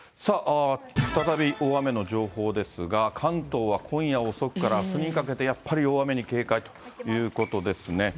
再び大雨の情報ですが、関東は今夜遅くからあすにかけて、やっぱり大雨に警戒ということですね。